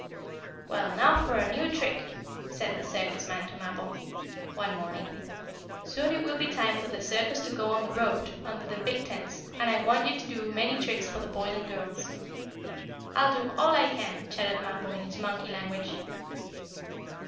"Well, now for a new trick," said the circus man to Mappo, one morning. "Soon it will be time for the circus to go out on the road, under the big tents, and I want you to do many tricks for the boys and girls." "I'll do all I can!" chattered Mappo, in his monkey language.